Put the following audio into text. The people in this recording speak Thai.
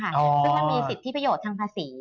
ซึ่งมันมีสิทธิประโยชน์ทางภาษี